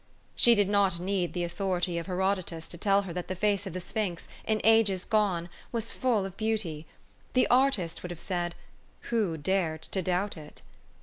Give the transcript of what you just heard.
She did not need the authority of Herodotus to tell her that the face of the sphinx, in ages gone, was full of beauty. The artist would have said, " Who dared to doubt it?"